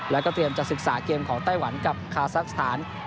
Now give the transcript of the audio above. แล้วก็เตรียมจะศึกษาเกมของไต้หวันกับคาซักสถาน